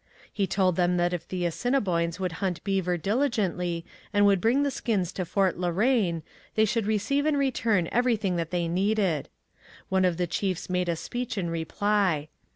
He told them that if the Assiniboines would hunt beaver diligently and would bring the skins to Fort La Reine, they should receive in return everything that they needed. One of the chiefs made a speech in reply.